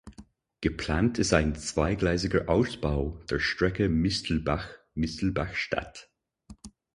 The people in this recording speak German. Geplant ist ein zweigleisiger Ausbau der Strecke Mistelbach–Mistelbach Stadt.